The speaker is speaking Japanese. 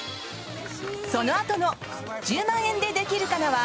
そのあとの「１０万円でできるかな」は